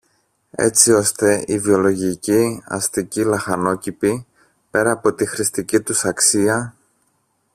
έτσι ώστε οι βιολογικοί αστικοί λαχανόκηποι, πέρα από τη χρηστική τους αξία